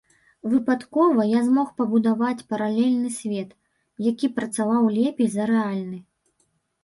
Выпадкова я змог пабудаваць паралельны свет, які працаваў лепей за рэальны.